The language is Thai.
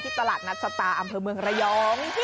ตลาดนัดสตาร์อำเภอเมืองระยอง